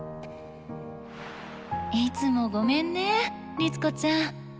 いつもごめんね律子ちゃん。